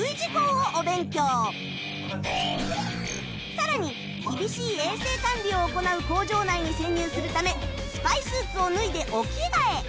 さらに厳しい衛生管理を行う工場内に潜入するためスパイスーツを脱いでお着替え